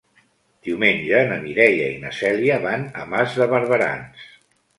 Diumenge na Mireia i na Cèlia van a Mas de Barberans.